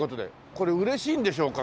これ嬉しいんでしょうか？